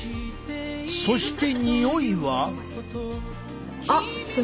そしてにおいは？